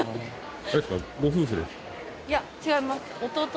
いや、違います。